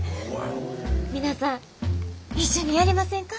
皆さん一緒にやりませんか？